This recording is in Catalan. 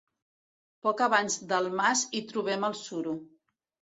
Poc abans del mas hi trobem el suro.